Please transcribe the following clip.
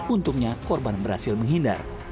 untungnya korban berhasil menghindar